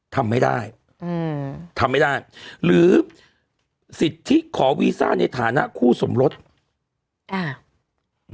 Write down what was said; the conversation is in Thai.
ทำไม่ได้อืมทำไม่ได้หรือสิทธิขอวีซ่าในฐานะคู่สมรสอ่า